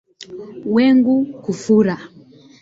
Wengu kufura